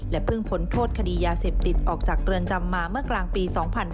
เพิ่งพ้นโทษคดียาเสพติดออกจากเรือนจำมาเมื่อกลางปี๒๕๕๙